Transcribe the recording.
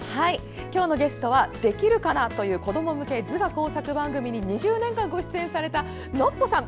今日のゲストは「できるかな」という子ども向け図画工作番組に２０年間ご出演されたノッポさん